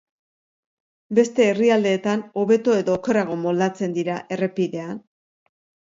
Beste herrialdeetan hobeto edo okerrago moldatzen dira errepidean?